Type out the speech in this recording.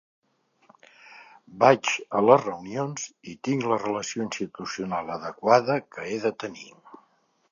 Vaig a les reunions i tinc la relació institucional adequada que he de tenir.